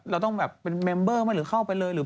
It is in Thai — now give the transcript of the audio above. เราต้องแบบเป็นเมมเบอร์ไหมหรือเข้าไปเลยหรือ